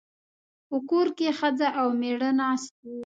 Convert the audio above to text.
په کور کې ښځه او مېړه ناست وو.